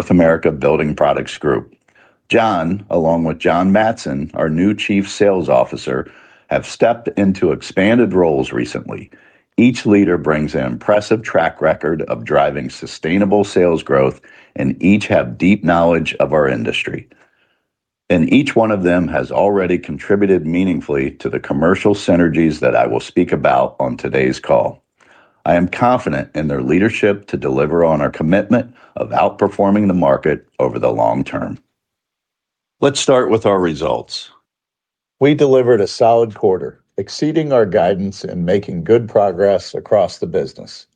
North America Building Products Group. Jon, along with John Madson, our new Chief Sales Officer, have stepped into expanded roles recently. Each leader brings an impressive track record of driving sustainable sales growth, and each have deep knowledge of our industry, and each one of them has already contributed meaningfully to the commercial synergies that I will speak about on today's call. I am confident in their leadership to deliver on our commitment of outperforming the market over the long term. Let's start with our results. We delivered a solid quarter, exceeding our guidance and making good progress across the business.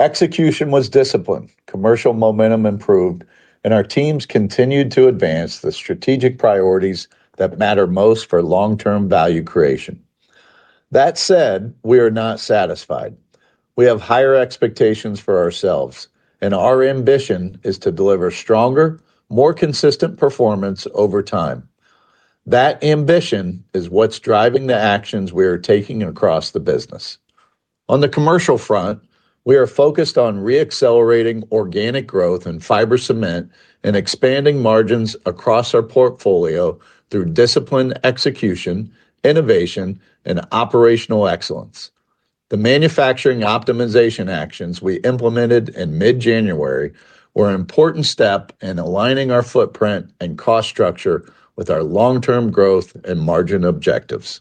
Execution was disciplined, commercial momentum improved, and our teams continued to advance the strategic priorities that matter most for long-term value creation. That said, we are not satisfied. We have higher expectations for ourselves, and our ambition is to deliver stronger, more consistent performance over time. That ambition is what's driving the actions we are taking across the business. On the commercial front, we are focused on re-accelerating organic fiber cement and expanding margins across our portfolio through disciplined execution, innovation, and operational excellence. The manufacturing optimization actions we implemented in mid-January were an important step in aligning our footprint and cost structure with our long-term growth and margin objectives.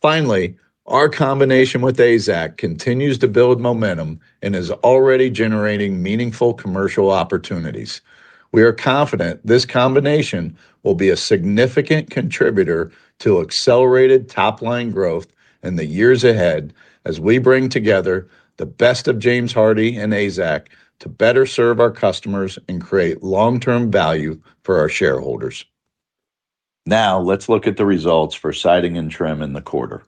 Finally, our combination with AZEK continues to build momentum and is already generating meaningful commercial opportunities. We are confident this combination will be a significant contributor to accelerated top-line growth in the years ahead as we bring together the best of James Hardie and AZEK to better serve our customers and create long-term value for our shareholders. Now, let's look at the results for siding and trim in the quarter.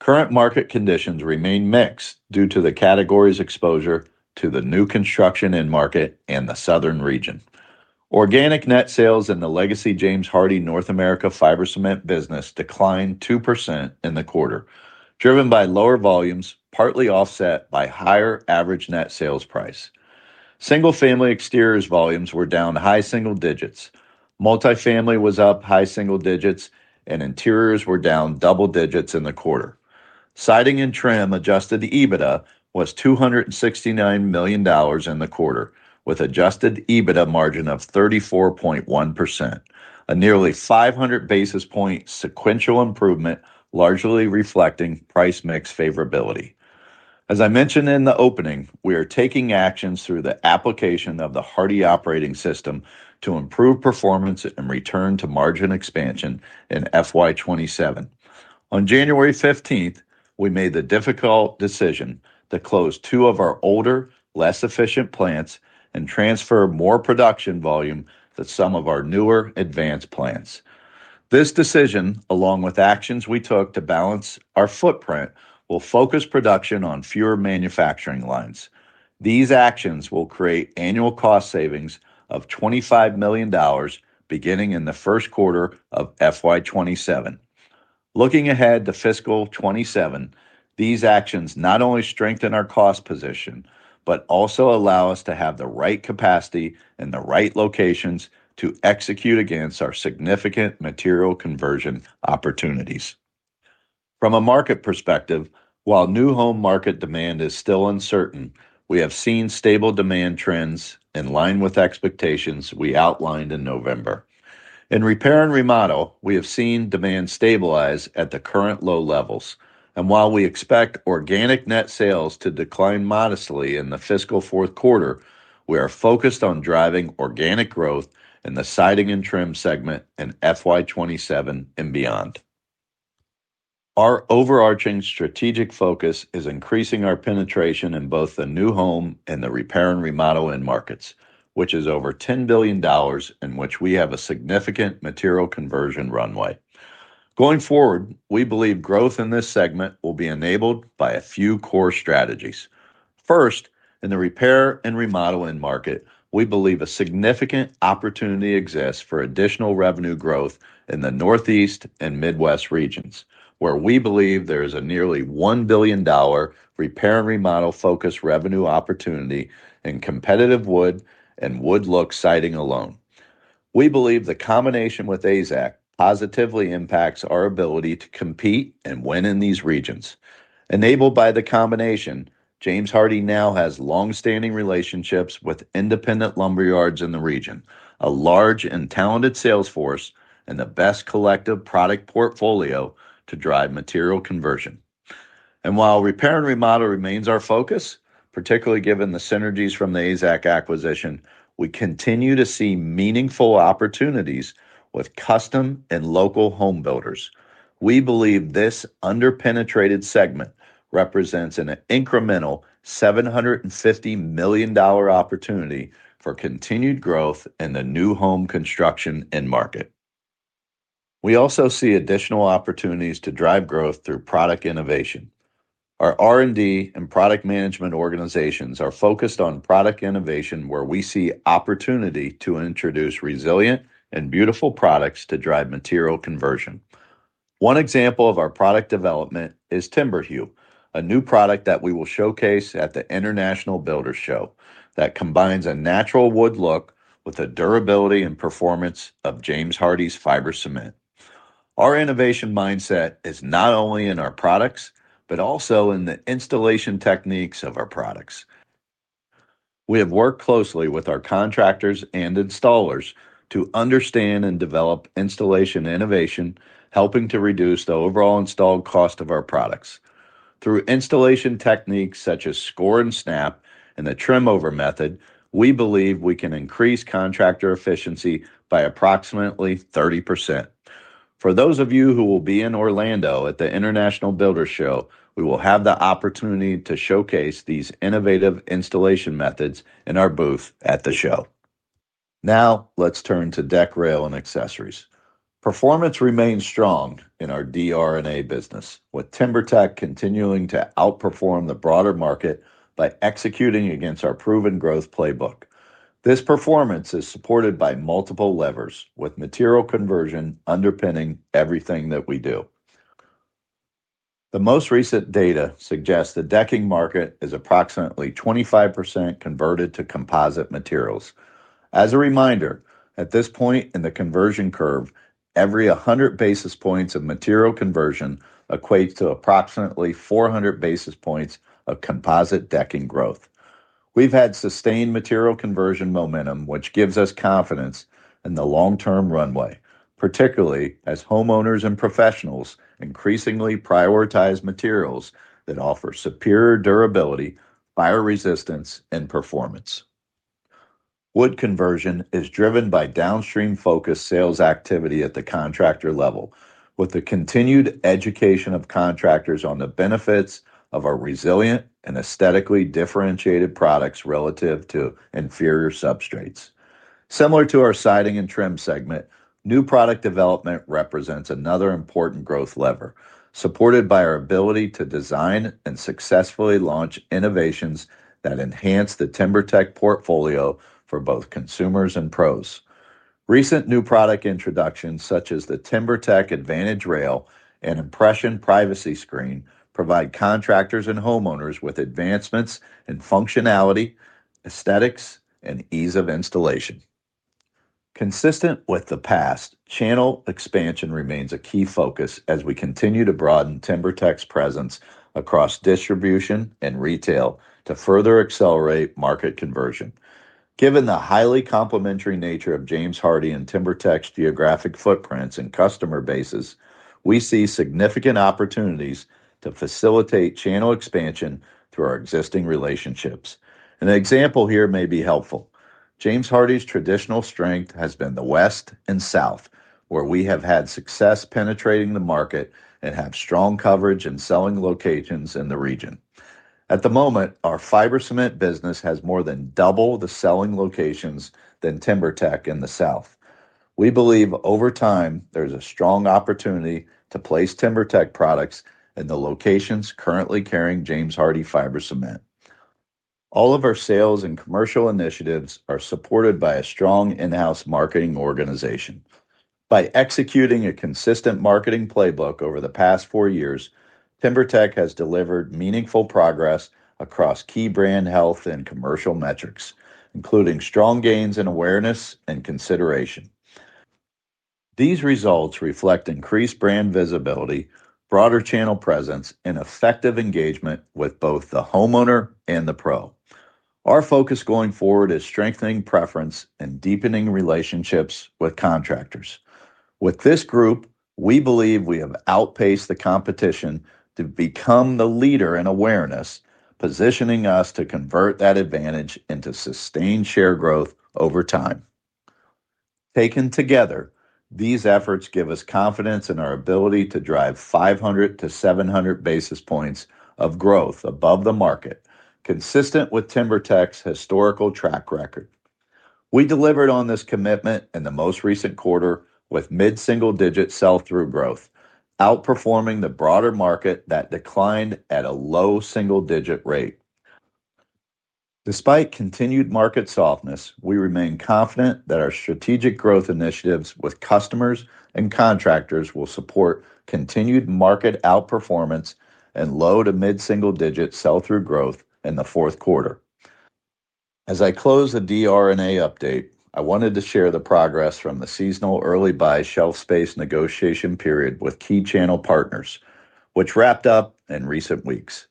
Current market conditions remain mixed due to the category's exposure to the new construction end market and the Southern region. Organic net sales in the legacy James Hardie American american fiber cement business declined 2% in the quarter, driven by lower volumes, partly offset by higher average net sales price. Single-family exteriors volumes were down high single digits, multifamily was up high single digits, and interiors were down double digits in the quarter. siding and trim adjusted EBITDA was $269 million in the quarter, with adjusted EBITDA margin of 34.1%, a nearly 500 basis point sequential improvement, largely reflecting price mix favorability. As I mentioned in the opening, we are taking actions through the application of the Hardie Operating System to improve performance and return to margin expansion in FY 2027. On January 15th, we made the difficult decision to close two of our older, less efficient plants and transfer more production volume to some of our newer advanced plants. This decision, along with actions we took to balance our footprint, will focus production on fewer manufacturing lines. These actions will create annual cost savings of $25 million, beginning in the first quarter of FY 2027. Looking ahead to fiscal 2027, these actions not only strengthen our cost position, but also allow us to have the right capacity and the right locations to execute against our significant material conversion opportunities. From a market perspective, while new home market demand is still uncertain, we have seen stable demand trends in line with expectations we outlined in November. In Repair and Remodel, we have seen demand stabilize at the current low levels, and while we expect organic net sales to decline modestly in the fiscal fourth quarter, we are focused on driving organic growth in the siding and trim segment in FY 2027 and beyond. Our overarching strategic focus is increasing our penetration in both the new home and the repair and remodel end markets, which is over $10 billion, in which we have a significant material conversion runway. Going forward, we believe growth in this segment will be enabled by a few core strategies. First, in the repair and remodel end market, we believe a significant opportunity exists for additional revenue growth in the Northeast and Midwest regions, where we believe there is a nearly $1 billion repair and remodel-focused revenue opportunity in competitive wood and wood-look siding alone. We believe the combination with AZEK positively impacts our ability to compete and win in these regions. Enabled by the combination, James Hardie now has long-standing relationships with independent lumber yards in the region, a large and talented sales force, and the best collective product portfolio to drive material conversion. And while Repair and Remodel remains our focus, particularly given the synergies from the AZEK acquisition, we continue to see meaningful opportunities with custom and local home builders. We believe this under-penetrated segment represents an incremental $750 million opportunity for continued growth in the new home construction end market. We also see additional opportunities to drive growth through product innovation. Our R&D and product management organizations are focused on product innovation, where we see opportunity to introduce resilient and beautiful products to drive material conversion.... One example of our product development is TimberHue, a new product that we will showcase at the International Builders Show that combines a natural wood look with the durability and performance of hardie fiber cement. our innovation mindset is not only in our products, but also in the installation techniques of our products. We have worked closely with our contractors and installers to understand and develop installation innovation, helping to reduce the overall installed cost of our products. Through installation techniques such as score and snap and the trim over method, we believe we can increase contractor efficiency by approximately 30%. For those of you who will be in Orlando at the International Builders Show, we will have the opportunity to showcase these innovative installation methods in our booth at the show. Now, let's turn to Deck, Rail, and Accessories. Performance remains strong in our DR&A business, with TimberTech continuing to outperform the broader market by executing against our proven growth playbook. This performance is supported by multiple levers, with material conversion underpinning everything that we do. The most recent data suggests the Decking market is approximately 25% converted to composite materials. As a reminder, at this point in the conversion curve, every 100 basis points of material conversion equates to approximately 400 basis points of composite Decking growth. We've had sustained material conversion momentum, which gives us confidence in the long-term runway, particularly as homeowners and professionals increasingly prioritize materials that offer superior durability, fire resistance, and performance. Wood conversion is driven by downstream focused sales activity at the contractor level, with the continued education of contractors on the benefits of our resilient and aesthetically differentiated products relative to inferior substrates. Similar to our siding and trim segment, new product development represents another important growth lever, supported by our ability to design and successfully launch innovations that enhance the TimberTech portfolio for both consumers and pros. Recent new product introductions, such as the TimberTech Advantage Rail and Impression Privacy Screen, provide contractors and homeowners with advancements in functionality, aesthetics, and ease of installation. Consistent with the past, channel expansion remains a key focus as we continue to broaden TimberTech's presence across distribution and retail to further accelerate market conversion. Given the highly complementary nature of James Hardie and TimberTech's geographic footprints and customer bases, we see significant opportunities to facilitate channel expansion through our existing relationships. An example here may be helpful. James Hardie's traditional strength has been the West and South, where we have had success penetrating the market and have strong coverage and selling locations in the region. At the fiber cement business has more than double the selling locations than TimberTech in the South. We believe over time, there's a strong opportunity to place TimberTech products in the locations currently carrying fiber cement. all of our sales and commercial initiatives are supported by a strong in-house marketing organization. By executing a consistent marketing playbook over the past four years, TimberTech has delivered meaningful progress across key brand health and commercial metrics, including strong gains in awareness and consideration. These results reflect increased brand visibility, broader channel presence, and effective engagement with both the homeowner and the pro. Our focus going forward is strengthening preference and deepening relationships with contractors. With this group, we believe we have outpaced the competition to become the leader in awareness, positioning us to convert that advantage into sustained share growth over time. Taken together, these efforts give us confidence in our ability to drive 500-700 basis points of growth above the market, consistent with TimberTech's historical track record. We delivered on this commitment in the most recent quarter with mid-single-digit sell-through growth, outperforming the broader market that declined at a low single-digit rate. Despite continued market softness, we remain confident that our strategic growth initiatives with customers and contractors will support continued market outperformance and low to mid-single-digit sell-through growth in the fourth quarter. As I close the DR and A update, I wanted to share the progress from the seasonal early buy shelf space negotiation period with key channel partners, which wrapped up in recent weeks.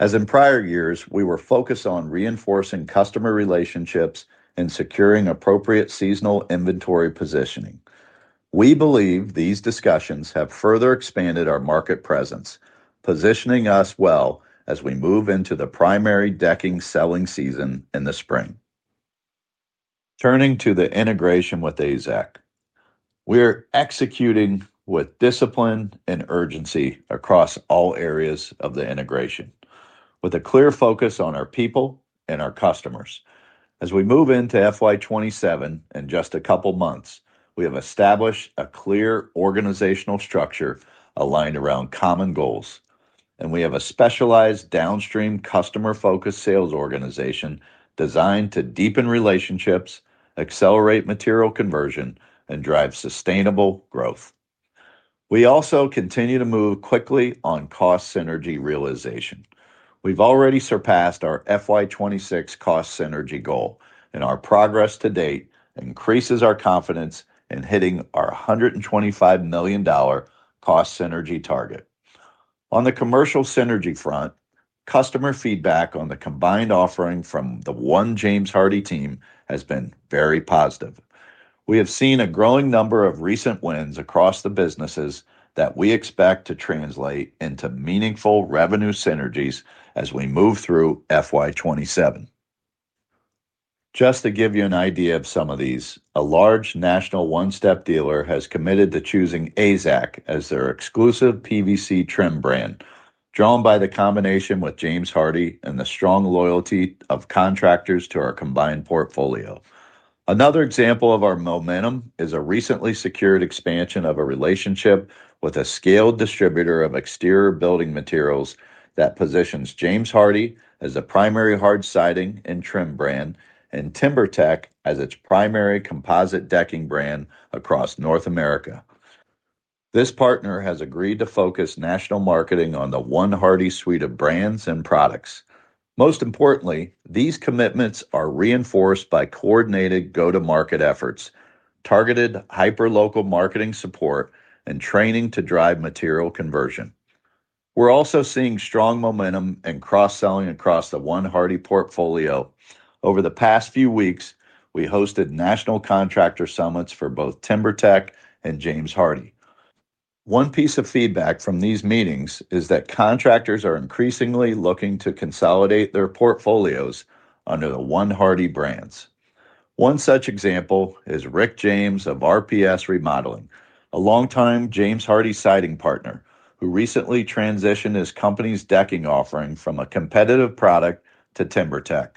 As in prior years, we were focused on reinforcing customer relationships and securing appropriate seasonal inventory positioning. We believe these discussions have further expanded our market presence, positioning us well as we move into the primary Decking selling season in the spring. Turning to the integration with AZEK. We're executing with discipline and urgency across all areas of the integration, with a clear focus on our people and our customers. As we move into FY 2027 in just a couple months, we have established a clear organizational structure aligned around common goals... and we have a specialized downstream customer-focused sales organization designed to deepen relationships, accelerate material conversion, and drive sustainable growth. We also continue to move quickly on cost synergy realization. We've already surpassed our FY 2026 cost synergy goal, and our progress to date increases our confidence in hitting our $125 million cost synergy target. On the commercial synergy front, customer feedback on the combined offering from the one James Hardie team has been very positive. We have seen a growing number of recent wins across the businesses that we expect to translate into meaningful revenue synergies as we move through FY 2027. Just to give you an idea of some of these, a large national one-step dealer has committed to choosing AZEK as their exclusive PVC trim brand, drawn by the combination with James Hardie and the strong loyalty of contractors to our combined portfolio. Another example of our momentum is a recently secured expansion of a relationship with a scaled distributor of exterior building materials that positions James Hardie as a primary hard siding and trim brand, and TimberTech as its primary composite Decking brand across North America. This partner has agreed to focus national marketing on the One Hardie suite of brands and products. Most importantly, these commitments are reinforced by coordinated go-to-market efforts, targeted hyper local marketing support, and training to drive material conversion. We're also seeing strong momentum and cross-selling across the One Hardie portfolio. Over the past few weeks, we hosted national contractor summits for both TimberTech and James Hardie. One piece of feedback from these meetings is that contractors are increasingly looking to consolidate their portfolios under the One Hardie brands. One such example is Rick James of RPS Remodeling, a longtime James Hardie siding partner, who recently transitioned his company's Decking offering from a competitive product to TimberTech.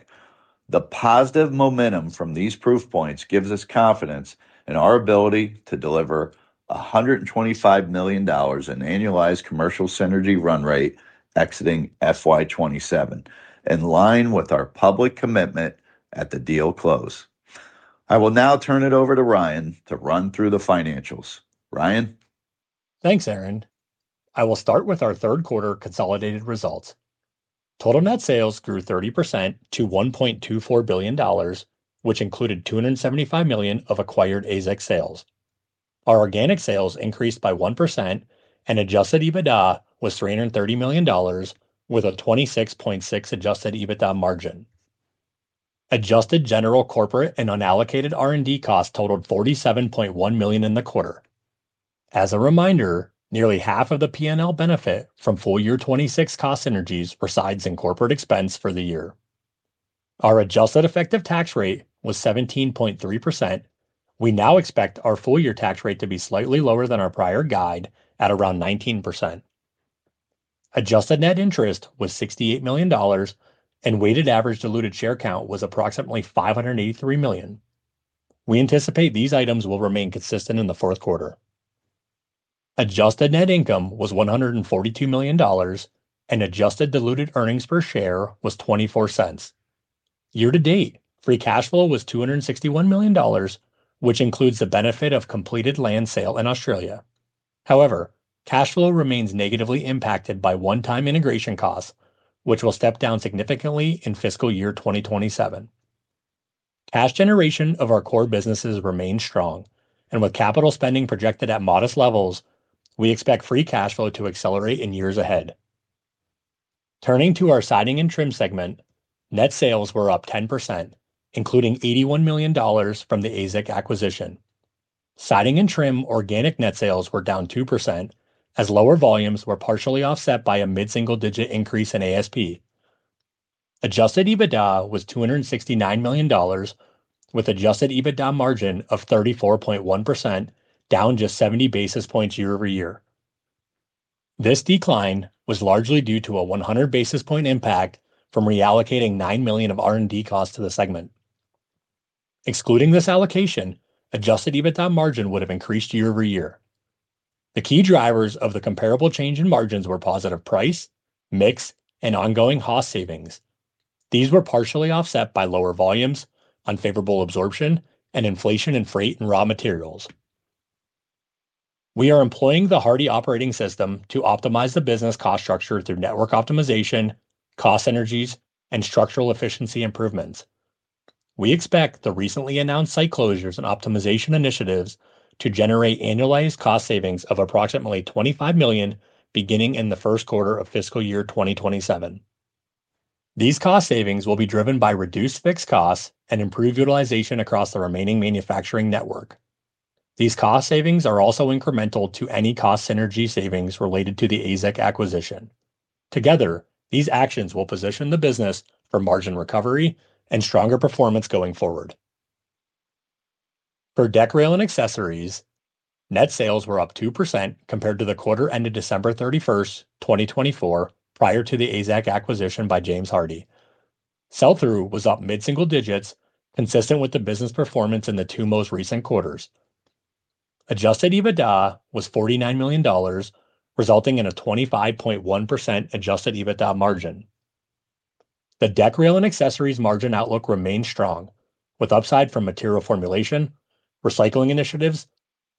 The positive momentum from these proof points gives us confidence in our ability to deliver $125 million in annualized commercial synergy run rate exiting FY 2027, in line with our public commitment at the deal close. I will now turn it over to Ryan to run through the financials. Ryan? Thanks, Aaron. I will start with our third quarter consolidated results. Total net sales grew 30% to $1.24 billion, which included $275 million of acquired AZEK sales. Our organic sales increased by 1%, and adjusted EBITDA was $330 million, with a 26.6% adjusted EBITDA margin. Adjusted general corporate and unallocated R&D costs totaled $47.1 million in the quarter. As a reminder, nearly half of the P&L benefit from full year 2026 cost synergies resides in corporate expense for the year. Our adjusted effective tax rate was 17.3%. We now expect our full year tax rate to be slightly lower than our prior guide at around 19%. Adjusted net interest was $68 million, and weighted average diluted share count was approximately 583 million. We anticipate these items will remain consistent in the fourth quarter. Adjusted net income was $142 million, and adjusted diluted earnings per share was $0.24. Year-to-date, free cash flow was $261 million, which includes the benefit of completed land sale in Australia. However, cash flow remains negatively impacted by one-time integration costs, which will step down significantly in fiscal year 2027. Cash generation of our core businesses remains strong, and with capital spending projected at modest levels, we expect free cash flow to accelerate in years ahead. Turning to our siding and trim segment, net sales were up 10%, including $81 million from the AZEK acquisition. siding and trim organic net sales were down 2%, as lower volumes were partially offset by a mid-single-digit increase in ASP. Adjusted EBITDA was $269 million, with adjusted EBITDA margin of 34.1%, down just 70 basis points year-over-year. This decline was largely due to a 100 basis points impact from reallocating $9 million of R&D costs to the segment. Excluding this allocation, adjusted EBITDA margin would have increased year-over-year. The key drivers of the comparable change in margins were positive price, mix, and ongoing cost savings. These were partially offset by lower volumes, unfavorable absorption, and inflation in freight and raw materials. We are employing the Hardie Operating System to optimize the business cost structure through network optimization, cost synergies, and structural efficiency improvements. We expect the recently announced site closures and optimization initiatives to generate annualized cost savings of approximately $25 million, beginning in the first quarter of fiscal year 2027. These cost savings will be driven by reduced fixed costs and improved utilization across the remaining manufacturing network. These cost savings are also incremental to any cost synergy savings related to the AZEK acquisition. Together, these actions will position the business for margin recovery and stronger performance going forward. For Deck, Rail, and Accessories, net sales were up 2% compared to the quarter ended December 31, 2024, prior to the AZEK acquisition by James Hardie. Sell-through was up mid-single digits, consistent with the business performance in the two most recent quarters. Adjusted EBITDA was $49 million, resulting in a 25.1% adjusted EBITDA margin. The Deck, Rail, and Accessories margin outlook remains strong, with upside from material formulation, recycling initiatives,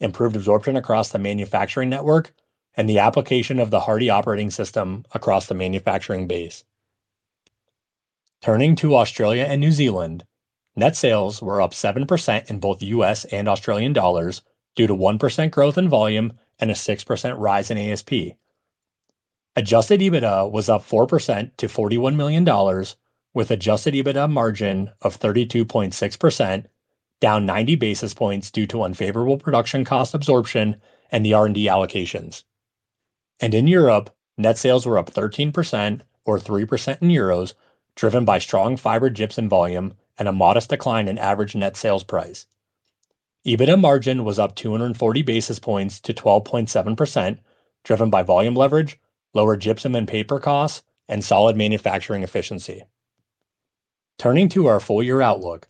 improved absorption across the manufacturing network, and the application of the Hardie Operating System across the manufacturing base. Turning to Australia and New Zealand, net sales were up 7% in both U.S. and Australian dollars due to 1% growth in volume and a 6% rise in ASP. Adjusted EBITDA was up 4% to $41 million, with adjusted EBITDA margin of 32.6%, down 90 basis points due to unfavorable production cost absorption and the R&D allocations. In Europe, net sales were up 13% or 3% in euros, driven by strong fiber gypsum volume and a modest decline in average net sales price. EBITDA margin was up 240 basis points to 12.7%, driven by volume leverage, lower gypsum and paper costs, and solid manufacturing efficiency. Turning to our full year outlook,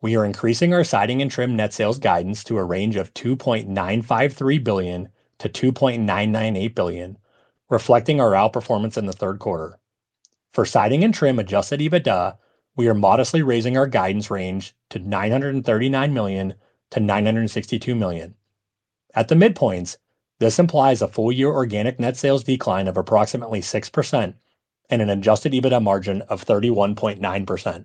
we are increasing our siding and trim net sales guidance to a range of $2.953 billion-$2.998 billion, reflecting our outperformance in the third quarter. For siding and trim Adjusted EBITDA, we are modestly raising our guidance range to $939 million-$962 million. At the midpoints, this implies a full year Organic Net Sales decline of approximately 6% and an Adjusted EBITDA margin of 31.9%.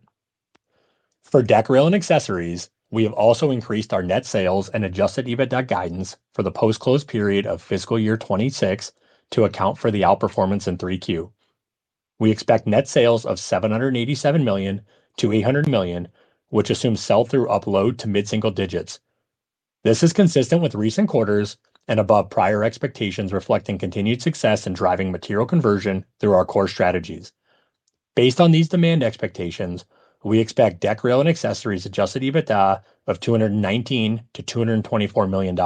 For Deck, Rail, and Accessories, we have also increased our net sales and Adjusted EBITDA guidance for the post-close period of fiscal year 2026 to account for the outperformance in 3Q. We expect net sales of $787 million-$800 million, which assumes sell-through upload to mid-single digits. This is consistent with recent quarters and above prior expectations, reflecting continued success in driving material conversion through our core strategies. Based on these demand expectations, we expect Deck, Rail, and Accessories adjusted EBITDA of $219 million-$224 million.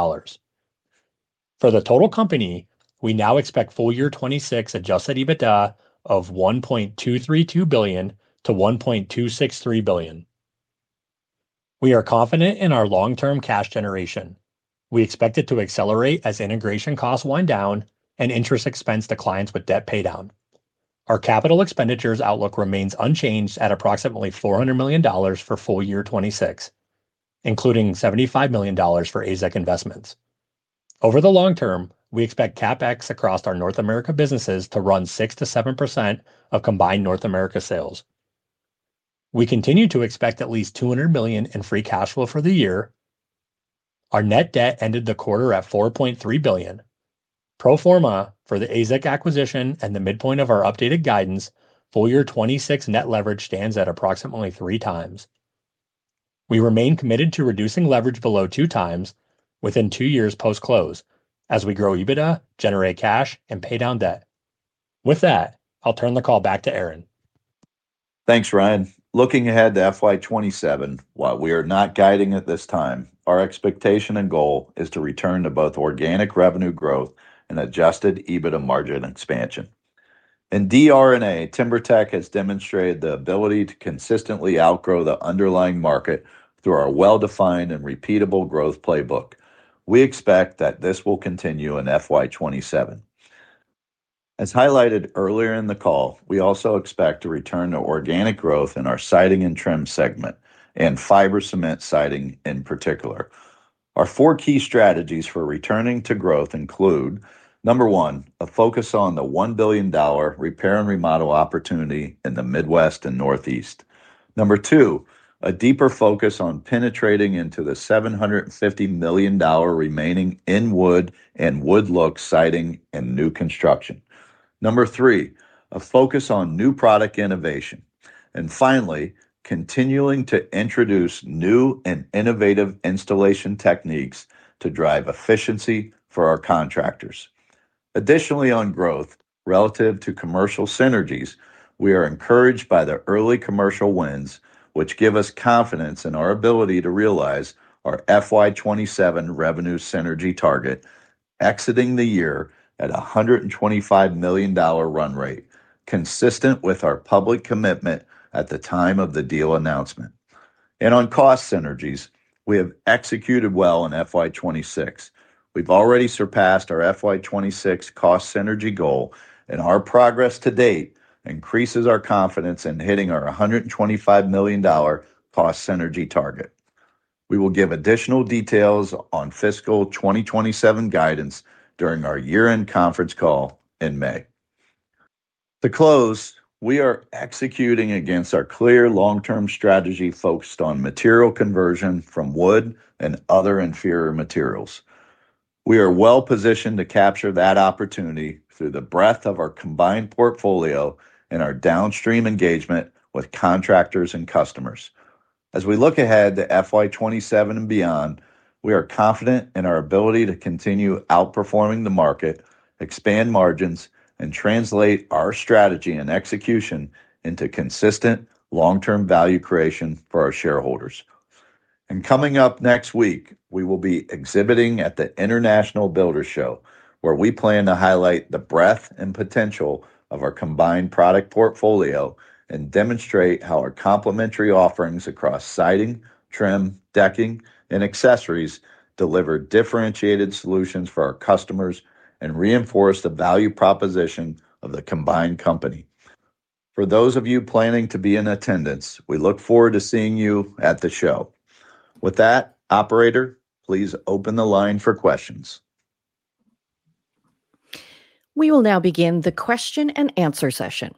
For the total company, we now expect full year 2026 adjusted EBITDA of $1.232 billion-$1.263 billion. We are confident in our long-term cash generation. We expect it to accelerate as integration costs wind down and interest expense declines with debt paydown. Our capital expenditures outlook remains unchanged at approximately $400 million for full year 2026, including $75 million for AZEK investments. Over the long term, we expect CapEx across our North America businesses to run 6%-7% of combined North America sales. We continue to expect at least $200 million in free cash flow for the year. Our net debt ended the quarter at $4.3 billion. Pro forma for the AZEK acquisition and the midpoint of our updated guidance, full year 2026 net leverage stands at approximately 3x. We remain committed to reducing leverage below 2x within two years post-close as we grow EBITDA, generate cash, and pay down debt. With that, I'll turn the call back to Aaron. Thanks, Ryan. Looking ahead to FY 2027, while we are not guiding at this time, our expectation and goal is to return to both organic revenue growth and adjusted EBITDA margin expansion. In North America, TimberTech has demonstrated the ability to consistently outgrow the underlying market through our well-defined and repeatable growth playbook. We expect that this will continue in FY 2027. As highlighted earlier in the call, we also expect to return to organic growth in our siding and trim fiber cement siding in particular. Our four key strategies for returning to growth include, number one, a focus on the $1 billion repair and remodel opportunity in the Midwest and Northeast. Number two, a deeper focus on penetrating into the $750 million remaining in wood and wood-look siding and new construction. Number three, a focus on new product innovation, and finally, continuing to introduce new and innovative installation techniques to drive efficiency for our contractors. Additionally, on growth relative to commercial synergies, we are encouraged by the early commercial wins, which give us confidence in our ability to realize our FY 2027 revenue synergy target, exiting the year at a $125 million run rate, consistent with our public commitment at the time of the deal announcement. On cost synergies, we have executed well in FY 2026. We've already surpassed our FY 2026 cost synergy goal, and our progress to date increases our confidence in hitting our $125 million cost synergy target. We will give additional details on fiscal 2027 guidance during our year-end conference call in May. To close, we are executing against our clear long-term strategy focused on material conversion from wood and other inferior materials. We are well positioned to capture that opportunity through the breadth of our combined portfolio and our downstream engagement with contractors and customers. As we look ahead to FY 2027 and beyond, we are confident in our ability to continue outperforming the market, expand margins, and translate our strategy and execution into consistent, long-term value creation for our shareholders.... Coming up next week, we will be exhibiting at the International Builders Show, where we plan to highlight the breadth and potential of our combined product portfolio and demonstrate how our complementary offerings across siding, trim, Decking, and Accessories deliver differentiated solutions for our customers and reinforce the value proposition of the combined company. For those of you planning to be in attendance, we look forward to seeing you at the show. With that, operator, please open the line for questions. We will now begin the question-and-answer session.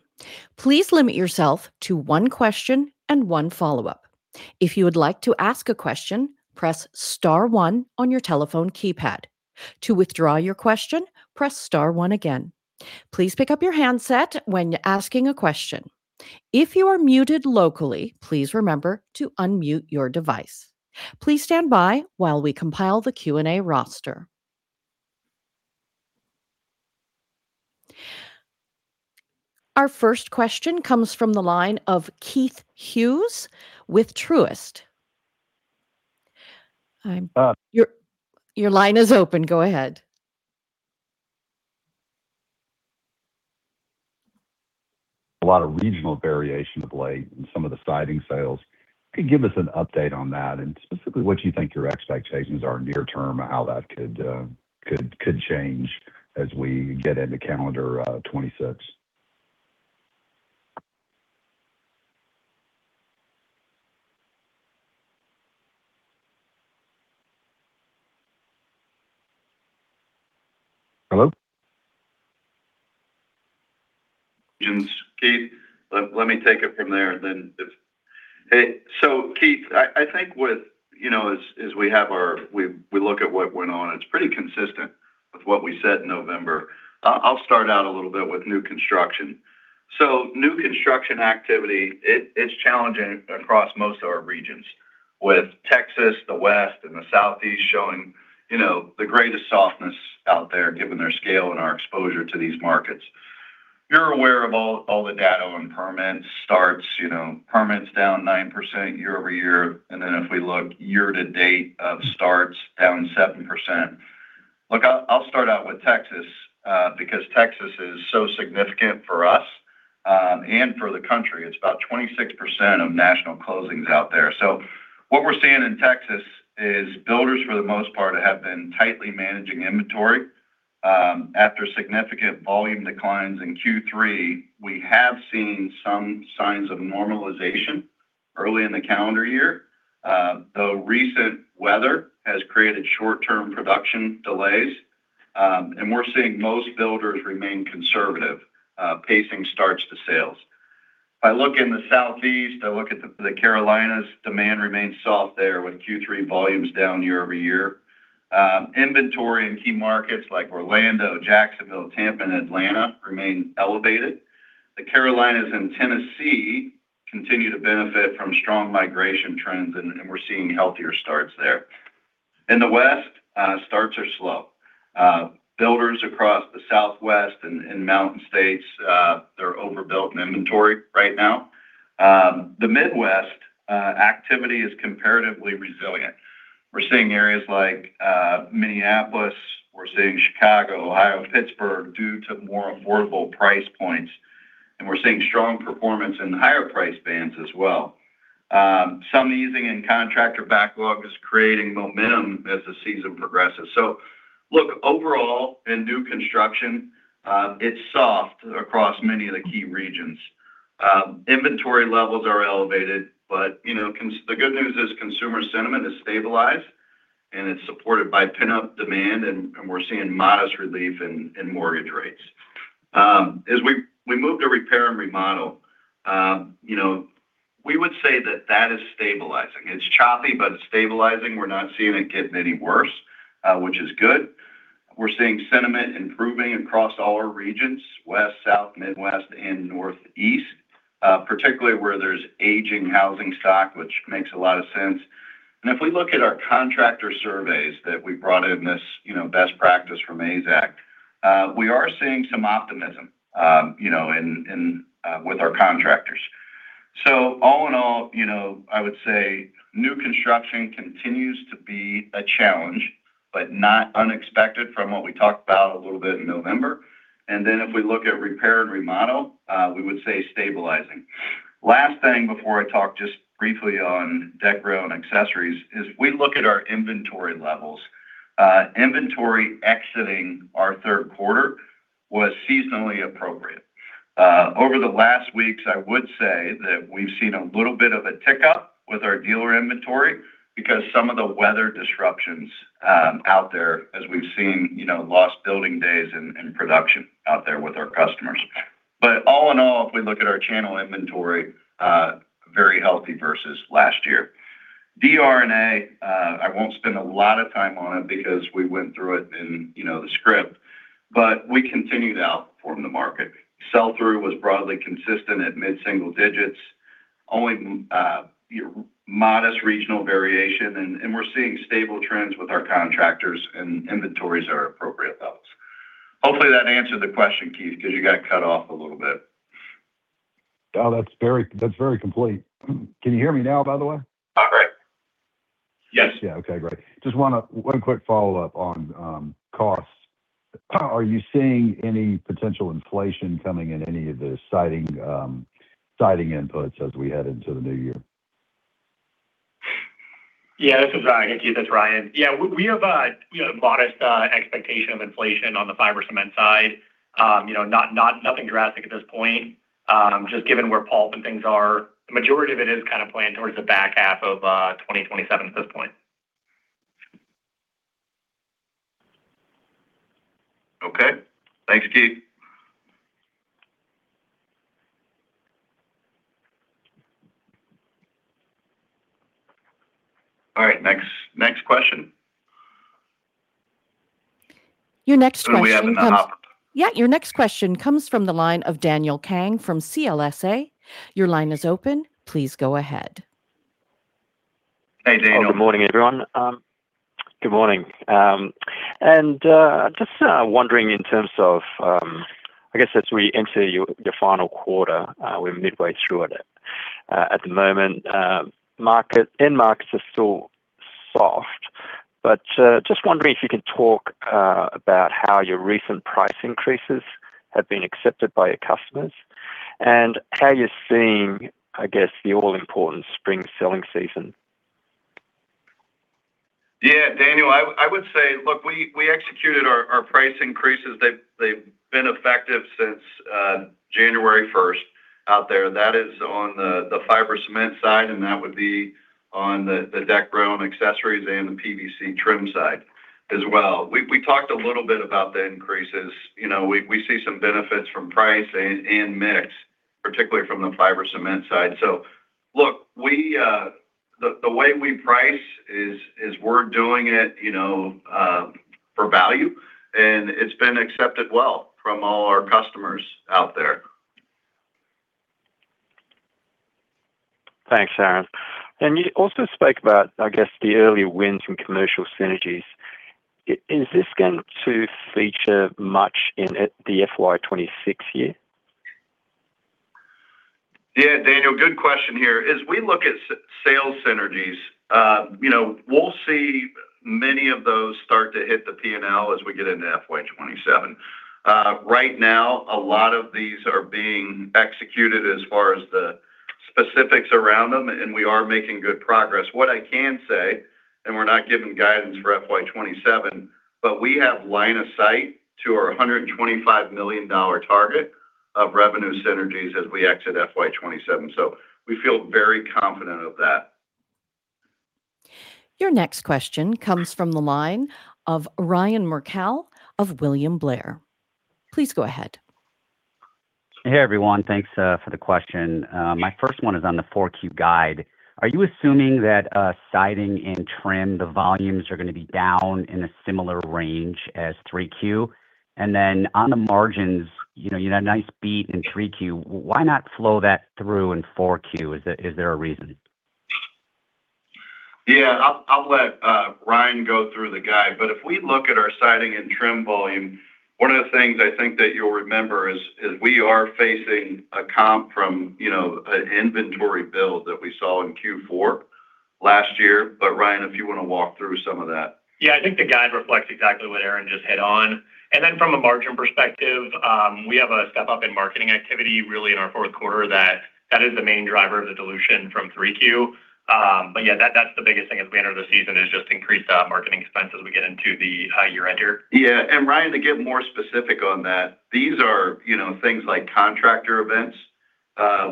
Please limit yourself to one question and one follow-up. If you would like to ask a question, press star one on your telephone keypad. To withdraw your question, press star one again. Please pick up your handset when asking a question. If you are muted locally, please remember to unmute your device. Please stand by while we compile the Q&A roster. Our first question comes from the line of Keith Hughes with Truist. I'm- Uh- Your line is open. Go ahead. A lot of regional variation of late in some of the siding sales. Could you give us an update on that, and specifically, what you think your expectations are near term and how that could change as we get into calendar 2026? Hello? Keith, let me take it from there, and then if... Hey, so Keith, I think with, you know, as we have our... We look at what went on. It's pretty consistent with what we said in November. I'll start out a little bit with new construction. So new construction activity, it's challenging across most of our regions, with Texas, the West, and the Southeast showing, you know, the greatest softness out there, given their scale and our exposure to these markets. You're aware of all the data on permits, starts, you know, permits down 9% year-over-year, and then if we look year to date of starts, down 7%. Look, I'll start out with Texas, because Texas is so significant for us and for the country. It's about 26% of national closings out there. So what we're seeing in Texas is builders, for the most part, have been tightly managing inventory. After significant volume declines in Q3, we have seen some signs of normalization early in the calendar year. The recent weather has created short-term production delays, and we're seeing most builders remain conservative, pacing starts to sales. If I look in the Southeast, I look at the Carolinas, demand remains soft there, with Q3 volumes down year-over-year. Inventory in key markets like Orlando, Jacksonville, Tampa, and Atlanta remain elevated. The Carolinas and Tennessee continue to benefit from strong migration trends, and we're seeing healthier starts there. In the West, starts are slow. Builders across the Southwest and mountain states, they're overbuilt in inventory right now. The Midwest activity is comparatively resilient. We're seeing areas like Minneapolis, we're seeing Chicago, Ohio, Pittsburgh, due to more affordable price points, and we're seeing strong performance in the higher price bands as well. Some easing in contractor backlog is creating momentum as the season progresses. So look, overall, in new construction, it's soft across many of the key regions. Inventory levels are elevated, but, you know, the good news is consumer sentiment has stabilized, and it's supported by pent-up demand, and we're seeing modest relief in mortgage rates. As we move to repair and remodel, you know, we would say that that is stabilizing. It's choppy, but it's stabilizing. We're not seeing it getting any worse, which is good. We're seeing sentiment improving across all our regions: West, South, Midwest, and Northeast, particularly where there's aging housing stock, which makes a lot of sense. And if we look at our contractor surveys that we brought in this, you know, best practice from AZEK, we are seeing some optimism, you know, in with our contractors. So all in all, you know, I would say new construction continues to be a challenge, but not unexpected from what we talked about a little bit in November. And then if we look at repair and remodel, we would say stabilizing. Last thing before I talk just briefly on Deck, Rail, and Accessories is we look at our inventory levels. Inventory exiting our third quarter was seasonally appropriate. Over the last weeks, I would say that we've seen a little bit of a tick-up with our dealer inventory because some of the weather disruptions out there, as we've seen, you know, lost building days and production out there with our customers. But all in all, if we look at our channel inventory, very healthy versus last year. DR&A, I won't spend a lot of time on it because we went through it in, you know, the script, but we continued to outperform the market. Sell-through was broadly consistent at mid-single digits, only modest regional variation, and we're seeing stable trends with our contractors, and inventories are at appropriate levels. Hopefully, that answered the question, Keith, because you got cut off a little bit.... Oh, that's very, that's very complete. Can you hear me now, by the way? All right. Yes. Yeah. Okay, great. Just wanna, one quick follow-up on, costs. Are you seeing any potential inflation coming in any of the siding, siding inputs as we head into the new year? Yeah, this is Ryan. Hey, Keith, it's Ryan. Yeah, we have a, you know, modest expectation of inflation fiber cement side. you know, not nothing drastic at this point. Just given where pulp and things are, the majority of it is kind of playing towards the back half of 2027 at this point. Okay. Thanks, Keith. All right, next, next question. Your next question comes- Do we have another op? Yeah, your next question comes from the line of Daniel Kang from CLSA. Your line is open. Please go ahead. Hey, Daniel. Good morning, everyone. Good morning. And just wondering in terms of, I guess as we enter your, your final quarter, we're midway through it, at the moment, market, end markets are still soft. But just wondering if you could talk about how your recent price increases have been accepted by your customers and how you're seeing, I guess, the all-important spring selling season. Yeah, Daniel, I would say... Look, we executed our price increases. They've been effective since January first out there. That is fiber cement side, and that would be on the Deck, Rail, and Accessories and the PVC trim side as well. We talked a little bit about the increases. You know, we see some benefits from price and mix, particularly fiber cement side. so look, the way we price is we're doing it, you know, for value, and it's been accepted well from all our customers out there. Thanks, Aaron. And you also spoke about, I guess, the early wins from commercial synergies. Is this going to feature much in at the FY 2026 year? Yeah, Daniel, good question here. As we look at sales synergies, you know, we'll see many of those start to hit the P&L as we get into FY 2027. Right now, a lot of these are being executed as far as the specifics around them, and we are making good progress. What I can say, and we're not giving guidance for FY 2027, but we have line of sight to our $125 million target of revenue synergies as we exit FY 2027. So we feel very confident of that. Your next question comes from the line of Ryan Merkel of William Blair. Please go ahead. Hey, everyone. Thanks for the question. My first one is on the 4Q guide. Are you assuming that siding and trim, the volumes are gonna be down in a similar range as 3Q? And then on the margins, you know, you had a nice beat in 3Q. Why not flow that through in 4Q? Is there a reason? Yeah. I'll let Ryan go through the guide. But if we look at our siding and trim volume, one of the things I think that you'll remember is we are facing a comp from, you know, an inventory build that we saw in Q4 last year. But Ryan, if you wanna walk through some of that. Yeah. I think the guide reflects exactly what Aaron just hit on. And then from a margin perspective, we have a step-up in marketing activity, really in our fourth quarter that is the main driver of the dilution from 3Q. But yeah, that, that's the biggest thing as we enter the season, is just increased marketing expense as we get into the year-end here. Yeah. And Ryan, to get more specific on that, these are, you know, things like contractor events.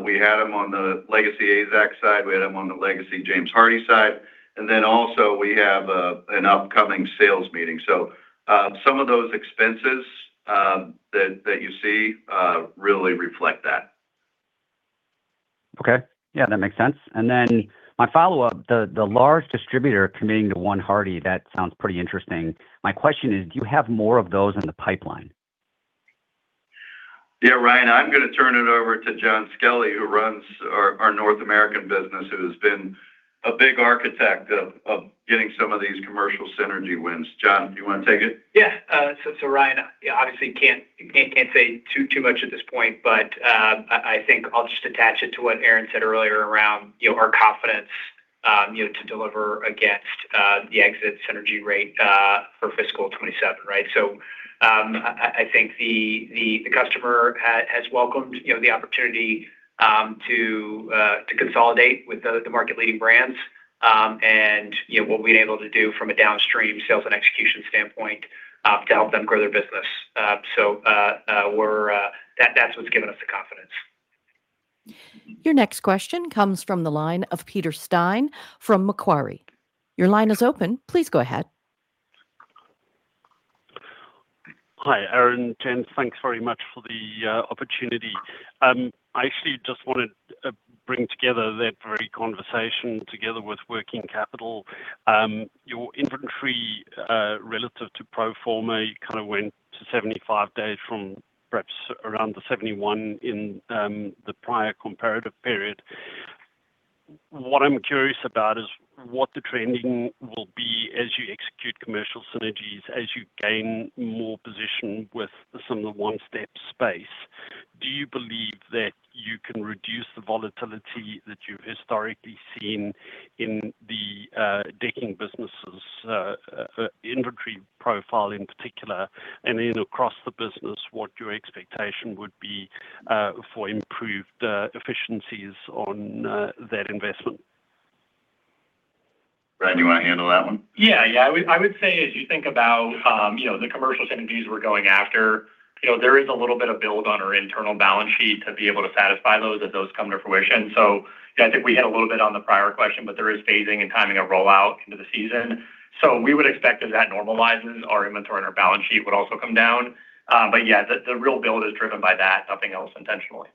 We had them on the legacy AZEK side, we had them on the legacy James Hardie side, and then also we have an upcoming sales meeting. So, some of those expenses that you see really reflect that. Okay. Yeah, that makes sense. And then my follow-up, the large distributor committing to One Hardie, that sounds pretty interesting. My question is, do you have more of those in the pipeline? Yeah, Ryan, I'm gonna turn it over to Jon Skelley, who runs our North American business, who has been a big architect of getting some of these commercial synergies. Jon, do you wanna take it? Yeah. So, so Ryan, obviously, can't say too much at this point, but, I think I'll just attach it to what Aaron said earlier around, you know, our confidence, you know, to deliver against the exit synergy rate for fiscal 2027, right? So, I think the customer has welcomed, you know, the opportunity to consolidate with the market-leading brands, and, you know, what we're able to do from a downstream sales and execution standpoint to help them grow their business. So, we're... That's what's given us the confidence. Your next question comes from the line of Peter Steyn from Macquarie. Your line is open. Please go ahead. Hi, Aaron, gents. Thanks very much for the opportunity. I actually just wanted bring together that very conversation together with working capital. Your inventory relative to pro forma, kind of went to 75 days from perhaps around the 71 in the prior comparative period.... What I'm curious about is what the trending will be as you execute commercial synergies, as you gain more position with some of the one-step space. Do you believe that you can reduce the volatility that you've historically seen in the Decking businesses, inventory profile in particular, and then across the business, what your expectation would be for improved efficiencies on that investment? Ryan, you wanna handle that one? Yeah. Yeah, I would say, as you think about, you know, the commercial synergies we're going after, you know, there is a little bit of build on our internal balance sheet to be able to satisfy those, as those come to fruition. So I think we hit a little bit on the prior question, but there is phasing and timing of rollout into the season. So we would expect as that normalizes, our inventory and our balance sheet would also come down. But yeah, the real build is driven by that, nothing else intentionally.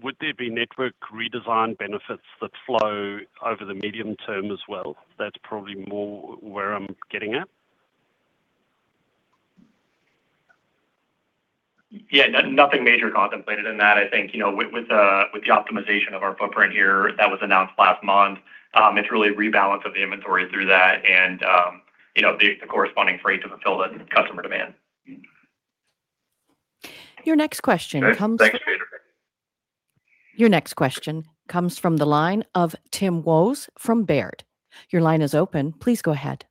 Would there be network redesign benefits that flow over the medium term as well? That's probably more where I'm getting at. Yeah, no, nothing major contemplated in that. I think, you know, with the optimization of our footprint here that was announced last month, it's really a rebalance of the inventory through that and, you know, the corresponding freight to fulfill the customer demand. Your next question comes- Thanks, Peter. Your next question comes from the line of Tim Wojs from Baird. Your line is open. Please go ahead.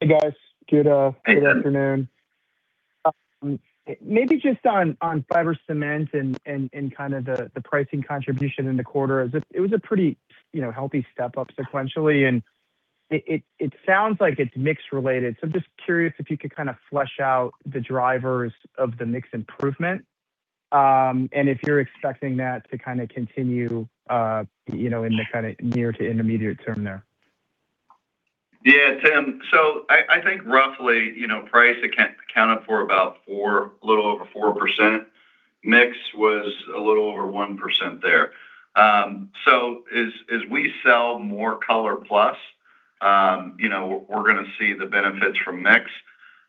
Hey, guys. Good afternoon. Maybe fiber cement and kind of the pricing contribution in the quarter, is it... It was a pretty, you know, healthy step up sequentially, and it sounds like it's mix related. So I'm just curious if you could kinda flesh out the drivers of the mix improvement, and if you're expecting that to kinda continue, you know, in the kinda near to intermediate term there. Yeah, Tim. So I think roughly, you know, price accounted for about four, a little over 4%. Mix was a little over 1% there. So as we sell more ColorPlus, you know, we're gonna see the benefits from mix.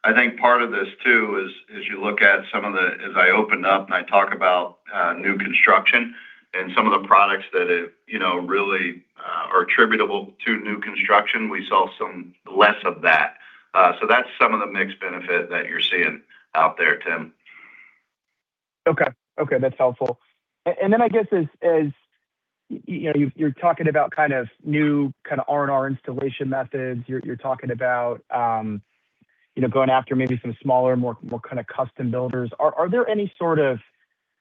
I think part of this too is, as you look at some of the, as I opened up and I talk about new construction and some of the products that, you know, really are attributable to new construction, we sell some less of that. So that's some of the mix benefit that you're seeing out there, Tim. Okay. Okay, that's helpful. And then I guess as you know, you're talking about kind of new kinda R&R installation methods, you're talking about you know, going after maybe some smaller, more kinda custom builders. Are there any sort of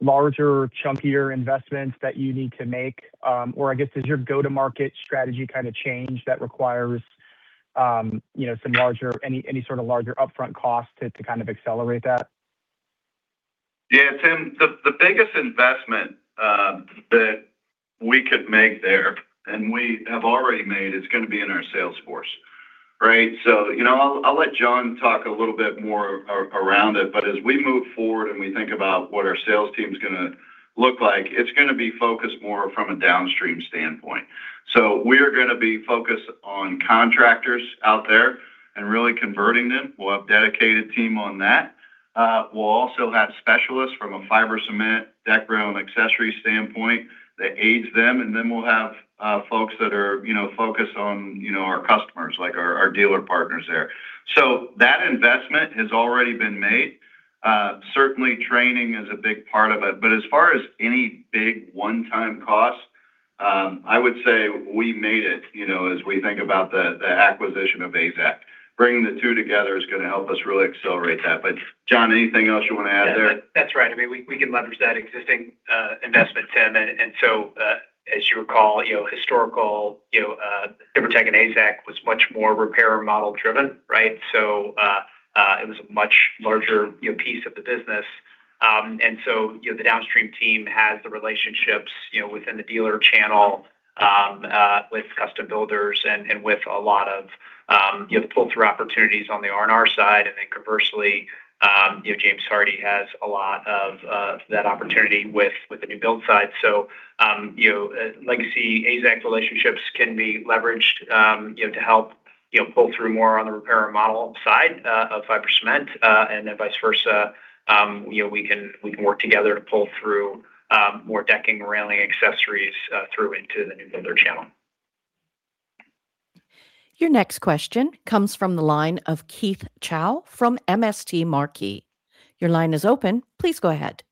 larger, chunkier investments that you need to make? Or I guess, does your go-to-market strategy kinda change that requires you know, some larger, any sort of larger upfront cost to kind of accelerate that? Yeah, Tim, the biggest investment that we could make there, and we have already made, is gonna be in our sales force, right? So, you know, I'll let Jon talk a little bit more around it, but as we move forward and we think about what our sales team's gonna look like, it's gonna be focused more from a downstream standpoint. So we're gonna be focused on contractors out there and really converting them. We'll have dedicated team on that. We'll also have specialists fiber cement, deck, rail, and Accessory standpoint that aids them, and then we'll have folks that are, you know, focused on our customers, like our dealer partners there. So that investment has already been made. Certainly, training is a big part of it, but as far as any big one-time cost, I would say we made it, you know, as we think about the, the acquisition of AZEK. Bringing the two together is gonna help us really accelerate that. But Jon, anything else you wanna add there? That's right. I mean, we can leverage that existing investment, Tim. And so, as you recall, you know, historically, you know, TimberTech and AZEK was much more repair and remodel driven, right? So, it was a much larger, you know, piece of the business. And so, you know, the downstream team has the relationships, you know, within the dealer channel, with custom builders and with a lot of, you know, pull-through opportunities on the R&R side. And then conversely, you know, James Hardie has a lot of that opportunity with the new build side. So, you know, legacy AZEK relationships can be leveraged, you know, to help, you know, pull through more on the repair and remodel fiber cement, and then vice versa. You know, we can, we can work together to pull through more Decking, railing, Accessories through into the new builder channel. Your next question comes from the line of Keith Chau from MST Marquee. Your line is open. Please go ahead.